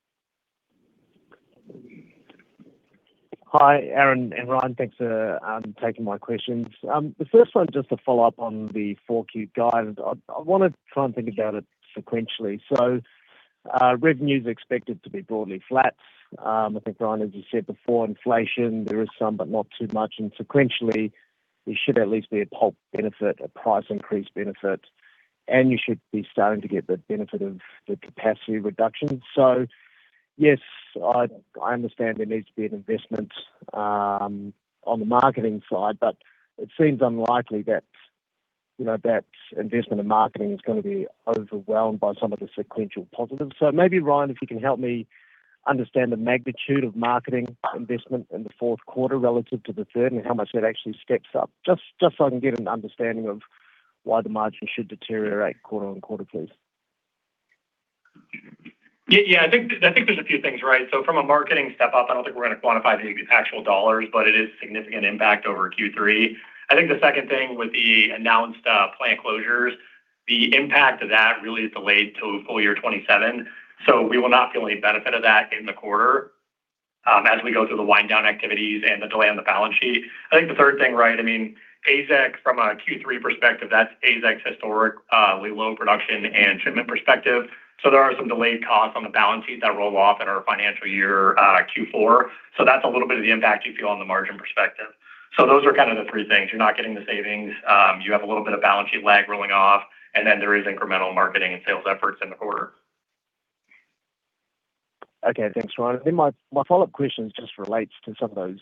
Hi, Aaron and Ryan. Thanks for taking my questions. The first one, just to follow up on the 4Q guide. I, I wanna try and think about it sequentially. So, revenue is expected to be broadly flat. I think, Ryan, as you said before, inflation, there is some, but not too much, and sequentially, there should at least be a pulp benefit, a price increase benefit, and you should be starting to get the benefit of the capacity reduction. So yes, I, I understand there needs to be an investment on the marketing side, but it seems unlikely that, you know, that investment in marketing is gonna be overwhelmed by some of the sequential positives. Maybe, Ryan, if you can help me understand the magnitude of marketing investment in the fourth quarter relative to the third and how much that actually steps up, just so I can get an understanding of why the margin should deteriorate quarter on quarter, please? Yeah, yeah, I think, I think there's a few things, right? So from a marketing step up, I don't think we're gonna quantify the actual dollars, but it is significant impact over Q3. I think the second thing with the announced plant closures, the impact of that really is delayed till full year 2027. So we will not feel any benefit of that in the quarter, as we go through the wind down activities and the delay on the balance sheet. I think the third thing, right, I mean, AZEK, from a Q3 perspective, that's AZEK's historically low production and shipment perspective. So there are some delayed costs on the balance sheet that roll off in our financial year Q4. So that's a little bit of the impact you feel on the margin perspective. So those are kind of the three things. You're not getting the savings, you have a little bit of balance sheet lag rolling off, and then there is incremental marketing and sales efforts in the quarter. Okay. Thanks, Ryan. Then my follow-up question just relates to some of those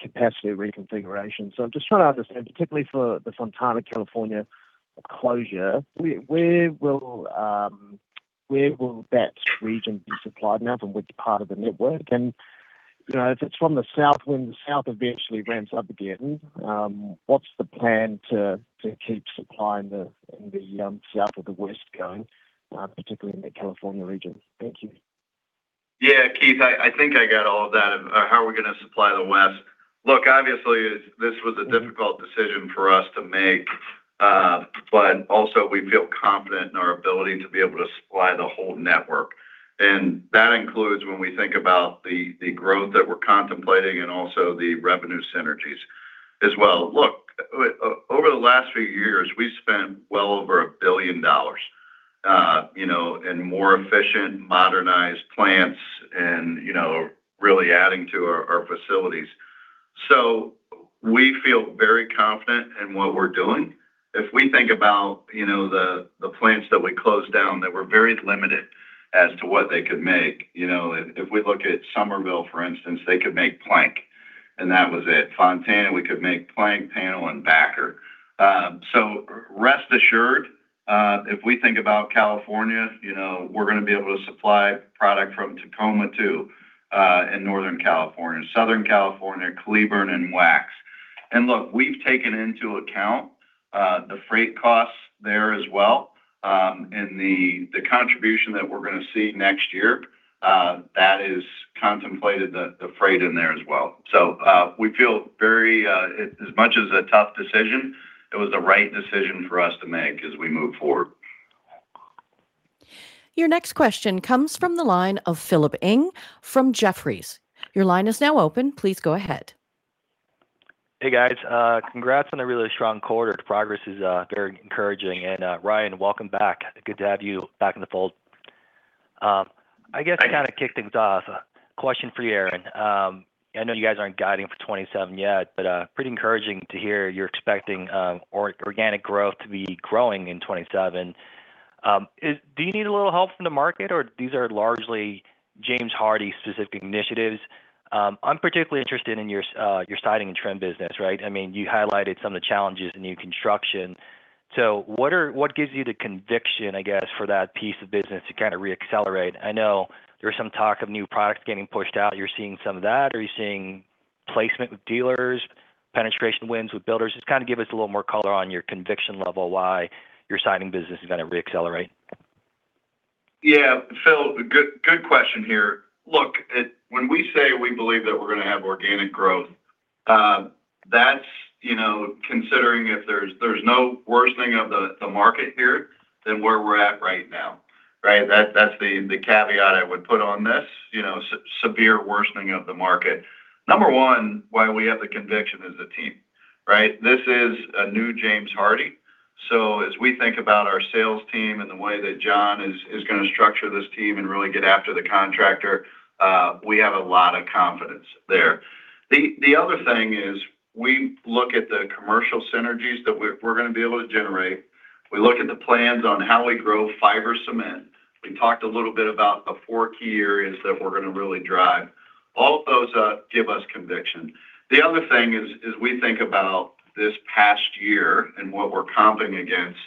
capacity reconfigurations. So I'm just trying to understand, particularly for the Fontana, California, closure, where will that region be supplied now, from which part of the network? And, you know, if it's from the South, when the South eventually ramps up again, what's the plan to keep supplying the South of the West going, particularly in the California region? Thank you. Yeah, Keith, I think I got all of that. How are we gonna supply the West? Look, obviously, this was a difficult decision for us to make, but also we feel confident in our ability to be able to supply the whole network. And that includes when we think about the growth that we're contemplating and also the revenue synergies as well. Look, over the last few years, we've spent well over $1 billion, you know, in more efficient, modernized plants and, you know, really adding to our facilities. So we feel very confident in what we're doing. If we think about, you know, the plants that we closed down that were very limited as to what they could make. You know, if we look at Summerville, for instance, they could make plank, and that was it. Fontana, we could make plank, panel, and backer. So rest assured, if we think about California, you know, we're gonna be able to supply product from Tacoma to, in Northern California. Southern California, Cleburne and Wax. And look, we've taken into account, the freight costs there as well, and the, the contribution that we're gonna see next year, that is contemplated, the, the freight in there as well. So, we feel very, as much as a tough decision, it was the right decision for us to make as we move forward. Your next question comes from the line of Philip Ng from Jefferies. Your line is now open. Please go ahead. Hey, guys. Congrats on a really strong quarter. The progress is very encouraging. And, Ryan, welcome back. Good to have you back in the fold. I guess to kind of kick things off, a question for you, Aaron. I know you guys aren't guiding for 2027 yet, but pretty encouraging to hear you're expecting organic growth to be growing in 2027. Do you need a little help from the market, or these are largely James Hardie specific initiatives? I'm particularly interested in your siding and trim business, right? I mean, you highlighted some of the challenges in new construction. So what gives you the conviction, I guess, for that piece of business to reaccelerate? I know there was some talk of new products getting pushed out. You're seeing some of that, or are you seeing placement with dealers, penetration wins with builders? Just kind of give us a little more color on your conviction level, why your siding business is gonna reaccelerate. Yeah, Phil, good question here. Look, it—when we say we believe that we're gonna have organic growth, that's, you know, considering if there's no worsening of the market here than where we're at right now, right? That's the caveat I would put on this, you know, severe worsening of the market. Number one, why we have the conviction is the team, right? This is a new James Hardie. So as we think about our sales team and the way that Jon is gonna structure this team and really get after the contractor, we have a lot of confidence there. The other thing is, we look at the commercial synergies that we're gonna be able to generate. We look at the plans on how we grow fiber cement. We talked a little bit about the four key areas that we're gonna really drive. All of those give us conviction. The other thing is we think about this past year and what we're comping against,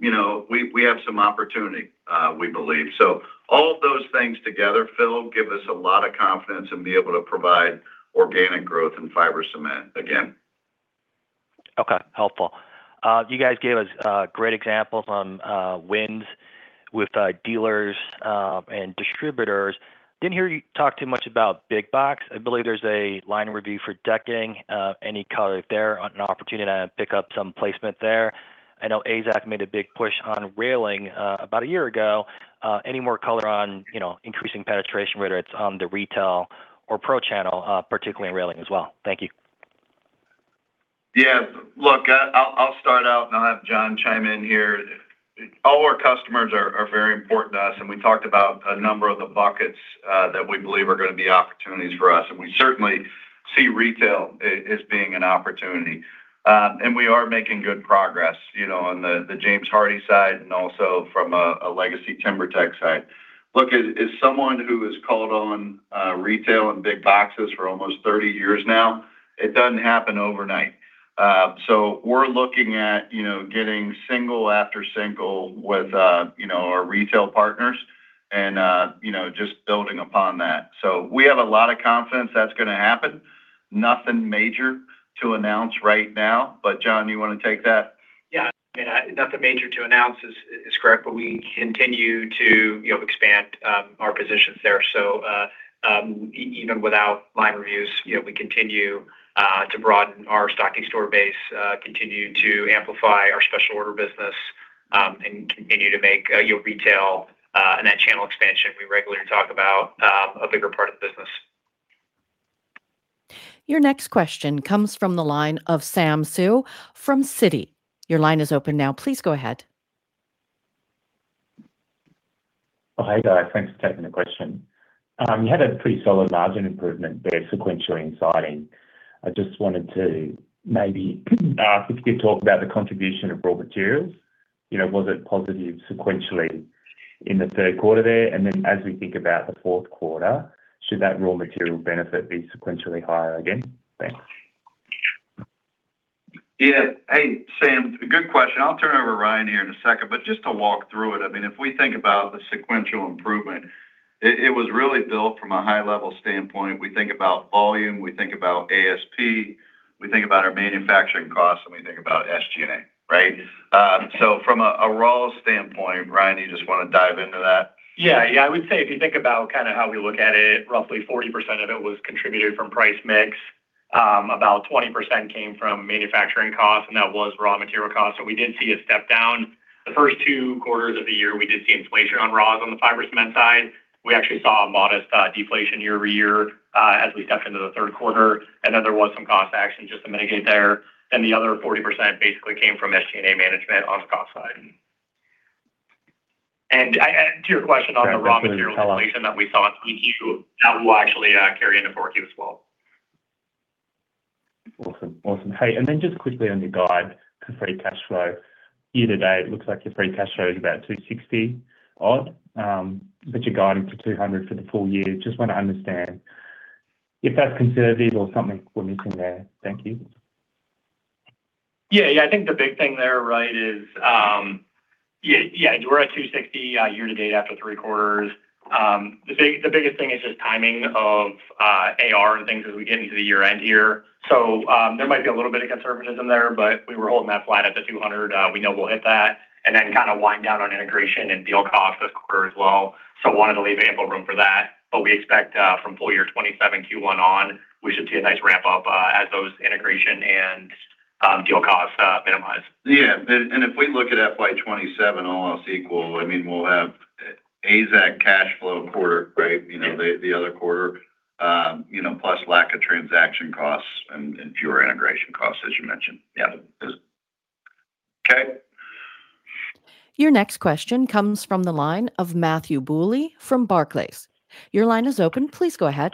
you know, we have some opportunity, we believe. So all of those things together, Phil, give us a lot of confidence and be able to provide organic growth fiber cement again. Okay, helpful. You guys gave us great examples on wins with dealers and distributors. Didn't hear you talk too much about big box. I believe there's a line review for Decking. Any color if there an opportunity to pick up some placement there? I know AZEK made a big push on railing about a year ago. Any more color on, you know, increasing penetration, whether it's on the retail or pro channel, particularly in railing as well? Thank you. Yeah. Look, I'll start out and I'll have Jon chime in here. All our customers are very important to us, and we talked about a number of the buckets that we believe are gonna be opportunities for us, and we certainly see retail as being an opportunity. And we are making good progress, you know, on the James Hardie side and also from a legacy TimberTech side. Look, as someone who has called on retail and big boxes for almost 30 years now, it doesn't happen overnight. So we're looking at, you know, getting single after single with our retail partners and, you know, just building upon that. So we have a lot of confidence that's gonna happen. Nothing major to announce right now, but Jon, you wanna take that? Yeah. Yeah, nothing major to announce is, is correct, but we continue to, you know, expand our positions there. So, even without line reviews, you know, we continue to broaden our stocking store base, continue to amplify our special order business, and continue to make your retail and that channel expansion we regularly talk about a bigger part of the business. Your next question comes from the line of Sam Seow from Citi. Your line is open now, please go ahead. Oh, hi there. Thanks for taking the question. You had a pretty solid margin improvement there sequentially in siding. I just wanted to maybe, if you could talk about the contribution of raw materials. You know, was it positive sequentially in the third quarter there? And then, as we think about the fourth quarter, should that raw material benefit be sequentially higher again? Thanks. Yeah. Hey, Sam, good question. I'll turn it over to Ryan here in a second. But just to walk through it, I mean, if we think about the sequential improvement, it was really built from a high-level standpoint. We think about volume, we think about ASP, we think about our manufacturing costs, and we think about SG&A, right? So from a raw standpoint, Ryan, you just wanna dive into that? Yeah. Yeah, I would say if you think about kinda how we look at it, roughly 40% of it was contributed from price mix. About 20% came from manufacturing costs, and that was raw material costs. So we did see a step down. The first two quarters of the year, we did see inflation on raws fiber cement side. we actually saw a modest deflation year-over-year as we stepped into the third quarter, and then there was some cost action just to mitigate there. Then the other 40% basically came from SG&A management on the cost side. And to your question on the raw material inflation that we saw in Q2, that will actually carry into Q4 as well. Awesome. Awesome. Hey, and then just quickly on your guide to free cash flow. Year-to-date, it looks like your free cash flow is about $260 million, but you're guiding for $200 million for the full year. Just want to understand if that's conservative or something we're missing there. Thank you. Yeah. Yeah, I think the big thing there, right, is, yeah, yeah, we're at 260 year to date after three quarters. The biggest thing is just timing of AR and things as we get into the year-end here. So, there might be a little bit of conservatism there, but we were holding that flat at the 200. We know we'll hit that and then kinda wind down on integration and deal costs this quarter as well. So wanted to leave ample room for that, but we expect from full year 2027 Q1 on, we should see a nice ramp up as those integration and deal costs minimize. Yeah, and, and if we look at FY 2027, all else equal, I mean, we'll have AZEK cash flow quarter, right? Yeah. You know, the other quarter, you know, plus lack of transaction costs and fewer integration costs, as you mentioned. Yeah. Okay. Your next question comes from the line of Matthew Bouley from Barclays. Your line is open. Please go ahead.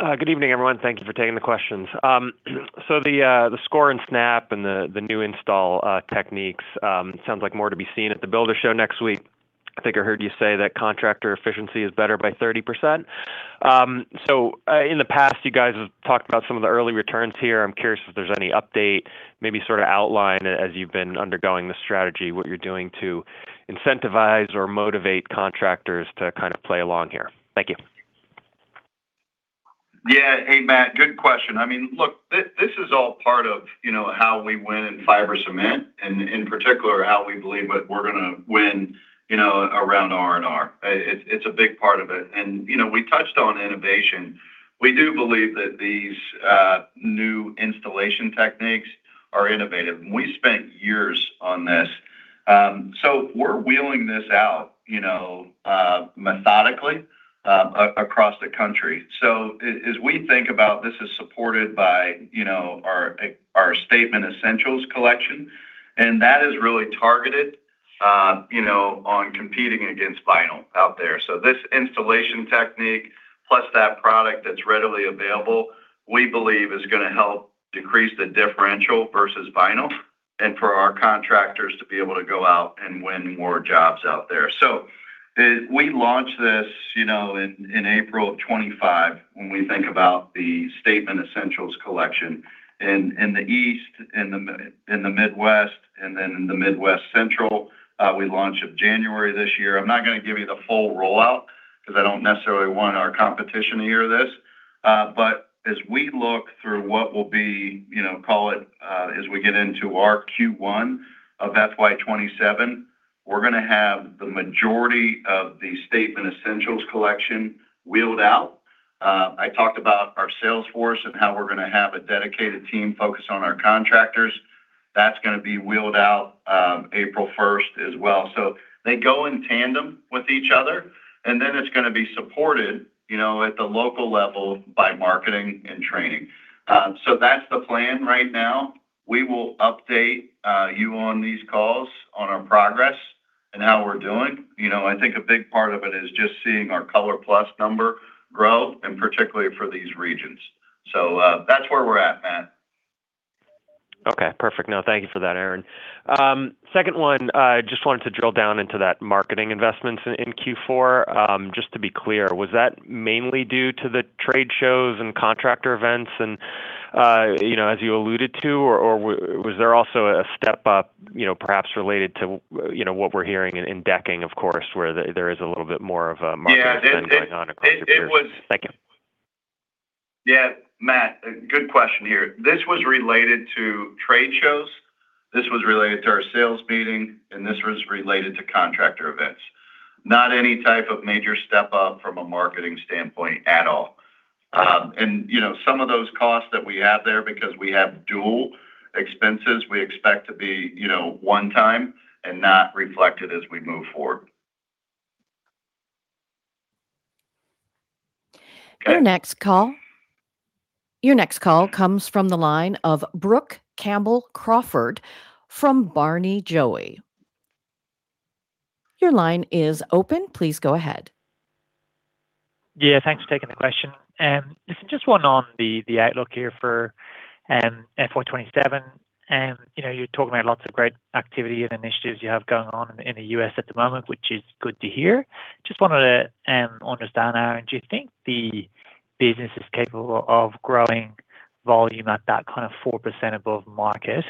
Good evening, everyone. Thank you for taking the questions. So the Score and Snap and the new install techniques sounds like more to be seen at the Builders' Show next week. I think I heard you say that contractor efficiency is better by 30%. So, in the past, you guys have talked about some of the early returns here. I'm curious if there's any update, maybe sorta outline as you've been undergoing the strategy, what you're doing to incentivize or motivate contractors to kind of play along here. Thank you. Yeah. Hey, Matt, good question. I mean, look, this is all part of, you know, how we fiber cement and, and in particular, how we believe that we're gonna win, you know, around R&R. It's, it's a big part of it. And, you know, we touched on innovation. We do believe that these new installation techniques are innovative. We spent years on this. So we're wheeling this out, you know, methodically, across the country. So as we think about this is supported by, you know, our our Statement Essentials Collection, and that is really targeted, you know, on competing against vinyl out there. So this installation technique, plus that product that's readily available, we believe is gonna help decrease the differential versus vinyl, and for our contractors to be able to go out and win more jobs out there. So, we launched this, you know, in April of 2025, when we think about the Statement Essentials Collection. In the East, in the Midwest, and then in the Midwest Central, we launched in January this year. I'm not gonna give you the full rollout because I don't necessarily want our competition to hear this, but as we look through what will be, you know, call it, as we get into our Q1 of FY 2027, we're gonna have the majority of the Statement Essentials Collection rolled out. I talked about our sales force and how we're gonna have a dedicated team focused on our contractors. That's gonna be rolled out, April 1st as well. So they go in tandem with each other, and then it's gonna be supported, you know, at the local level by marketing and training. So that's the plan right now. We will update you on these calls on our progress and how we're doing. You know, I think a big part of it is just seeing our ColorPlus number grow, and particularly for these regions. So, that's where we're at, Matt. Okay, perfect. No, thank you for that, Aaron. Second one, just wanted to drill down into that marketing investments in Q4. Just to be clear, was that mainly due to the trade shows and contractor events and-?... you know, as you alluded to, or was there also a step up, you know, perhaps related to what we're hearing in Decking, of course, where there is a little bit more of a market- Yeah- - spend going on across your peers. It, it was- Thank you. Yeah, Matt, good question here. This was related to trade shows, this was related to our sales meeting, and this was related to contractor events. Not any type of major step up from a marketing standpoint at all. You know, some of those costs that we have there, because we have dual expenses, we expect to be, you know, one time and not reflected as we move forward. Our next call... Your next call comes from the line of Brook Campbell-Crawford from Barrenjoey. Your line is open. Please go ahead. Yeah, thanks for taking the question. Listen, just one on the outlook here for FY 2027. You know, you're talking about lots of great activity and initiatives you have going on in the U.S. at the moment, which is good to hear. Just wanted to understand how and do you think the business is capable of growing volume at that kind of 4% above market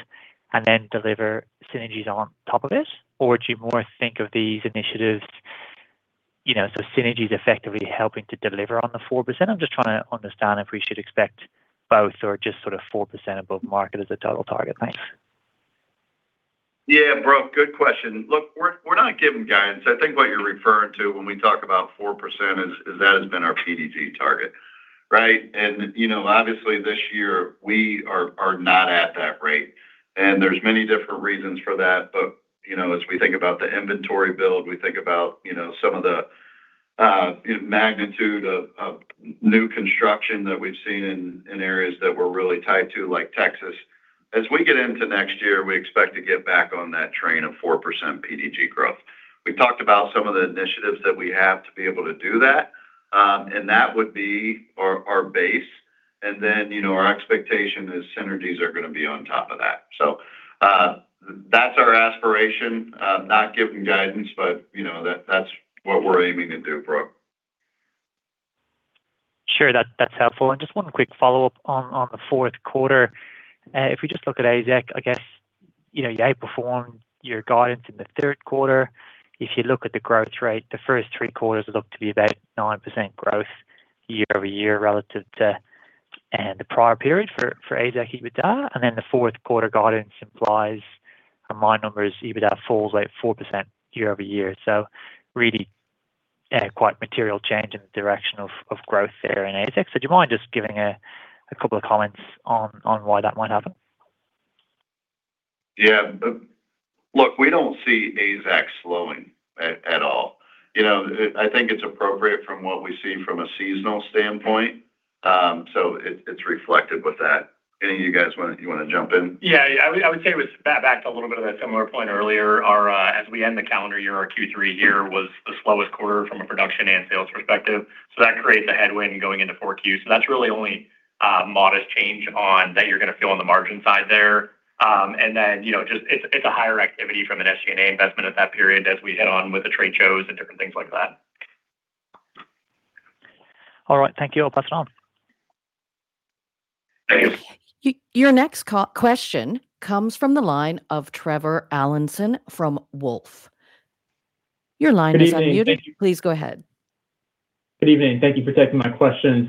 and then deliver synergies on top of it? Or do you more think of these initiatives, you know, so synergies effectively helping to deliver on the 4%? I'm just trying to understand if we should expect both or just sort of 4% above market as a total target. Thanks. Yeah, Brook, good question. Look, we're, we're not giving guidance. I think what you're referring to when we talk about 4% is, is that has been our PDG target, right? You know, obviously, this year we are, are not at that rate, and there's many different reasons for that. You know, as we think about the inventory build, we think about, you know, some of the magnitude of new construction that we've seen in areas that we're really tied to, like Texas. As we get into next year, we expect to get back on that train of 4% PDG growth. We've talked about some of the initiatives that we have to be able to do that, and that would be our base. And then, you know, our expectation is synergies are gonna be on top of that. That's our aspiration, not giving guidance, but you know, that's what we're aiming to do, Brook. Sure, that, that's helpful. And just one quick follow-up on the fourth quarter. If we just look at AZEK, I guess, you know, you outperformed your guidance in the third quarter. If you look at the growth rate, the first three quarters look to be about 9% growth year-over-year, relative to the prior period for AZEK EBITDA. And then the fourth quarter guidance implies, my number is, EBITDA falls like 4% year-over-year. So really, quite material change in the direction of growth there in AZEK. So do you mind just giving a couple of comments on why that might happen? Yeah. But look, we don't see AZEK slowing at all. You know, I think it's appropriate from what we see from a seasonal standpoint, so it's reflected with that. Any of you guys wanna jump in? Yeah. Yeah, I would, I would say it was tied back to a little bit of that similar point earlier. Our... As we end the calendar year, our Q3 year was the slowest quarter from a production and sales perspective, so that creates a headwind going into Q4. So that's really only a modest change on that you're gonna feel on the margin side there. And then, you know, just it's a higher activity from an SG&A investment at that period as we hit on with the trade shows and different things like that. All right. Thank you. I'll pass it on. Thank you. Your next question comes from the line of Trevor Allinson from Wolfe. Your line is unmuted. Good evening. Thank you. Please go ahead. Good evening, and thank you for taking my questions.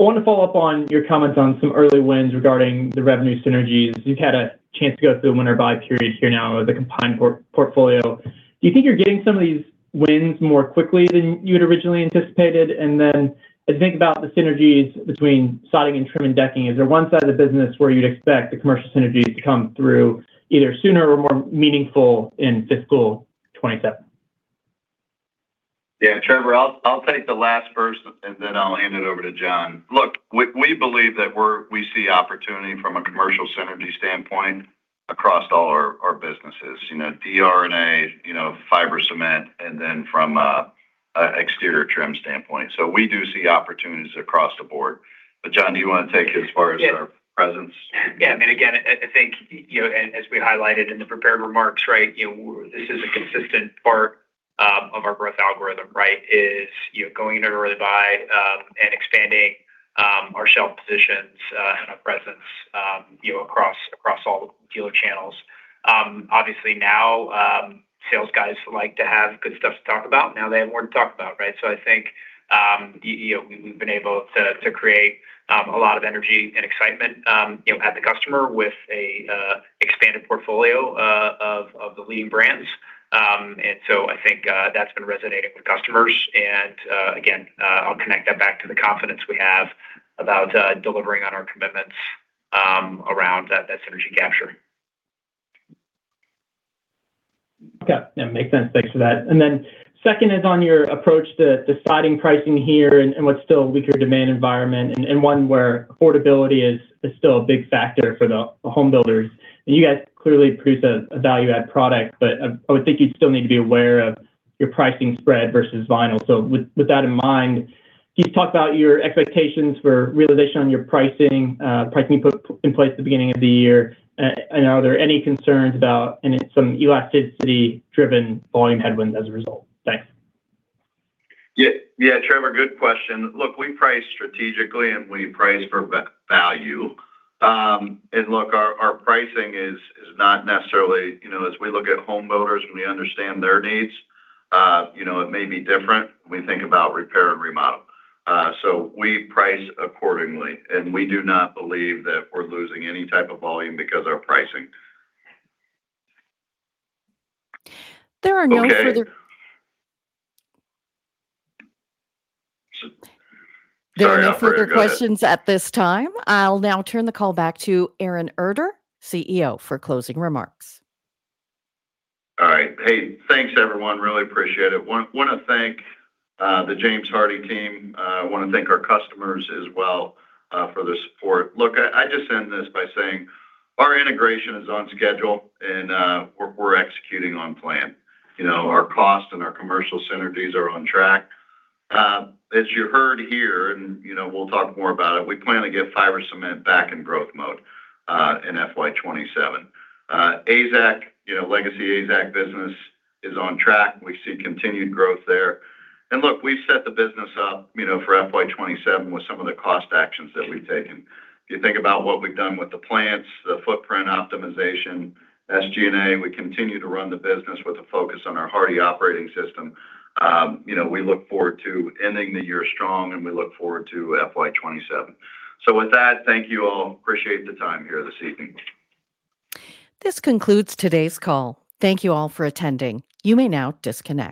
I want to follow up on your comments on some early wins regarding the revenue synergies. You've had a chance to go through one buy period here now with a combined portfolio. Do you think you're getting some of these wins more quickly than you had originally anticipated? And then, as you think about the synergies between siding and trim and Decking, is there one side of the business where you'd expect the commercial synergies to come through either sooner or more meaningful in fiscal 2027? Yeah, Trevor, I'll, I'll take the last first, and then I'll hand it over to Jon. Look, we, we believe that we're—we see opportunity from a commercial synergy standpoint across all our, our businesses, you know, R&R and AZEK, fiber cement, and then from a, a exterior trim standpoint. So we do see opportunities across the board. But, Jon, do you want to take as far as— Yeah... our presence? Yeah, and again, I, I think, you know, and as we highlighted in the prepared remarks, right, you know, this is a consistent part of our growth algorithm, right? Is, you know, going into early buy and expanding our shelf positions and our presence, you know, across, across all the dealer channels. Obviously now, sales guys like to have good stuff to talk about. Now they have more to talk about, right? So I think, you know, we've been able to create a lot of energy and excitement, you know, at the customer with a expanded portfolio of, of the leading brands. And so I think, that's been resonating with customers. And, again, I'll connect that back to the confidence we have about delivering on our commitments around that synergy capture. Okay, yeah, makes sense. Thanks for that. And then second is on your approach to the siding pricing here and what's still a weaker demand environment, and one where affordability is still a big factor for the home builders. And you guys clearly produce a value-add product, but I would think you'd still need to be aware of your pricing spread versus vinyl. So with that in mind, can you talk about your expectations for realization on your pricing, pricing put in place at the beginning of the year? And are there any concerns about some elasticity-driven volume headwinds as a result? Thanks. Yeah. Yeah, Trevor, good question. Look, we price strategically, and we price for value. And look, our pricing is not necessarily... You know, as we look at homeowners, when we understand their needs, you know, it may be different when we think about Repair and Remodel. So we price accordingly, and we do not believe that we're losing any type of volume because our pricing. There are no further- Okay. Sorry, go ahead There are no further questions at this time. I'll now turn the call back to Aaron Erter, CEO, for closing remarks. All right. Hey, thanks, everyone. Really appreciate it. Wanna thank the James Hardie team. I wanna thank our customers as well for the support. Look, I just end this by saying our integration is on schedule, and we're executing on plan. You know, our cost and our commercial synergies are on track. As you heard here, and you know, we'll talk more about it, we plan fiber cement back in growth mode in FY 2027. AZEK, you know, legacy AZEK business is on track. We see continued growth there. And look, we've set the business up, you know, for FY 2027 with some of the cost actions that we've taken. If you think about what we've done with the plants, the footprint optimization, SG&A, we continue to run the business with a focus on our Hardie Operating System. You know, we look forward to ending the year strong, and we look forward to FY 2027. So with that, thank you all. Appreciate the time here this evening. This concludes today's call. Thank you all for attending. You may now disconnect.